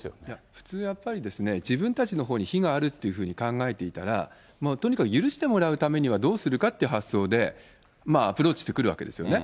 普通、やっぱりですね、自分たちのほうに非があるというふうに考えていたら、とにかく許してもらうためにはどうするかって発想で、アプローチしてくるわけですよね。